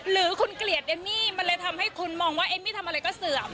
หรือคุณเกลียดเอมมี่มันเลยทำให้คุณมองว่าเอมมี่ทำอะไรก็เสื่อม